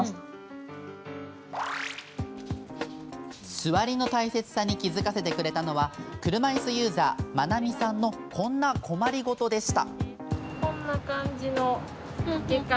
座りの大切さに気付かせてくれたのは車いすユーザー、まなみさんのこんな困り事でした。